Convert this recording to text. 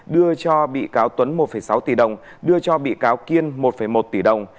đưa cho bị cáo tuấn một sáu tỷ đồng đưa cho bị cáo kiên một một tỷ đồng